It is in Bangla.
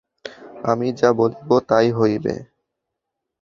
আমি যা বলিব তাই হইবে।